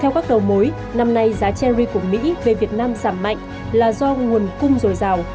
theo các đầu mối năm nay giá cherry của mỹ về việt nam giảm mạnh là do nguồn cung dồi dào